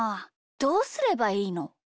どうすればいいの？